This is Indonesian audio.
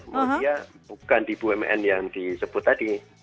kemudian bukan di bumn yang disebut tadi